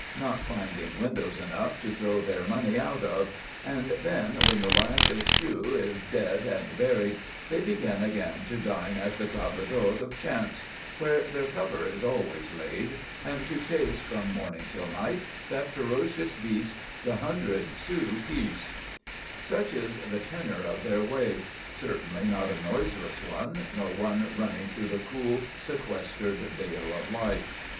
not finding windows enough to throw their money out of; and then, when the last écu is dead and buried, they begin again to dine at the table d'hôte of chance, where their cover is always laid; and to chase, from morning till night, that ferocious beast, the hundred sous piece." Footnote 21: "La Vie de Bohème," act i., scene 8. Footnote 22: Ibid. Such is the tenor of their way; certainly not a noiseless one, nor one running through the cool, sequestered vale of life.